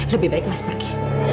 lebih baik mas pergi